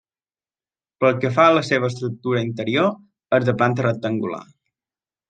Pel que fa a la seva estructura interior és de planta rectangular.